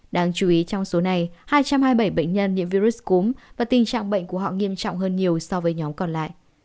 đáng chú ý trong số này hai trăm hai mươi bảy bệnh nhân nhiễm virus cúm và tình trạng bệnh của họ nghiêm trọng hơn nhiều so với nhóm còn lại